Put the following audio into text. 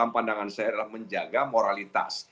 pandangan saya adalah menjaga moralitas